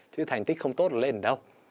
chứ thành tích không tốt là lên đâu